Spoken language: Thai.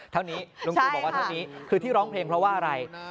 เท่านี้ลุงตูบอกว่าเท่านี้คือที่ร้องเพลงเพราะว่าอะไร